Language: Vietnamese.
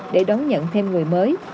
để đón nhận thêm người mới